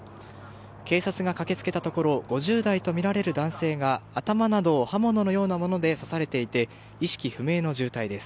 警察が駆け付けたところ５０代とみられる男性が頭などを刃物のようなもので刺されていて意識不明の重体です。